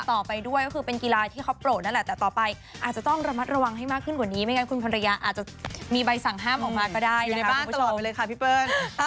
ต่อไปด้วยก็คือเป็นกีฬาที่เขาโปรดนั่นแหละแต่ต่อไปอาจจะต้องระมัดระวังให้มากขึ้นกว่านี้ไม่งั้นคุณภรรยาอาจจะมีใบสั่งห้ามออกมาก็ได้อยู่ในบ้านตลอดไปเลยค่ะพี่เปิ้ล